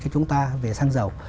cho chúng ta về xăng dầu